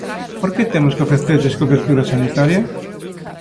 Por que temos que ofrecerlles cobertura sanitaria?